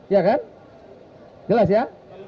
iya kan jelas ya